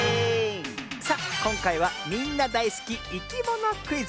さあこんかいはみんなだいすきいきものクイズ。